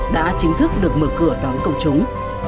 đã chính thức được mở cửa đón cầu chúng